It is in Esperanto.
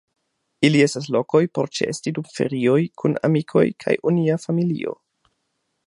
Ili estas lokoj por ĉeesti dum ferioj kun amikoj kaj onia familio.